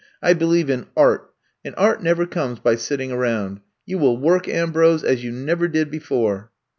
I believe in art, and art never comes by sitting around. You will work, Ambrose, as you never did before!"